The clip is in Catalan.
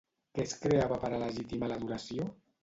Què es creava per a legitimar l'adoració?